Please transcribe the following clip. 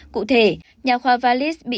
cụ thể nhà khoa valis bị